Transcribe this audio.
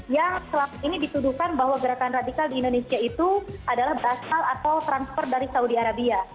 yang selama ini dituduhkan bahwa gerakan radikal di indonesia itu adalah batal atau transfer dari saudi arabia